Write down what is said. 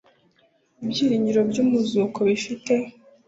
Ibyiringiro by umuzuko bifite